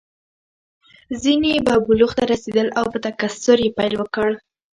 ځینې به بلوغ ته رسېدل او په تکثر یې پیل وکړ.